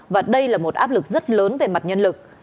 và đây là một áp lực rất lớn về mặt nhân lực